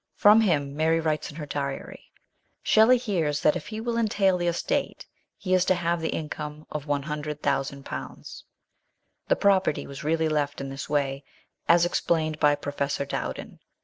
From him, Mary writes in her diary, Shelley hears that if he will entail the estate he is to have the income of one hundred thousand pounds. 86 MRS. SHELLEY. The property was really left in this way, as ex plained by Professor Dowden.